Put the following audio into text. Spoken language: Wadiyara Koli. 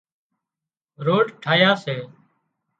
روڊ ٺاهيا سي